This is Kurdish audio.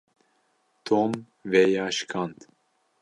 Tom vêya şikand.